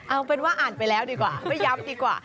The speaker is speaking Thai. เอาเป็นว่าอ่านไปแล้วดีกว่าไม่ย้ำดีกว่า